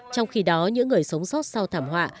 trong khi đó những người sống sót sau thảm họa